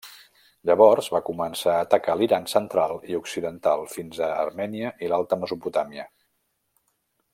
Llavors va començar a atacar l'Iran central i occidental fins a Armènia i l'alta Mesopotàmia.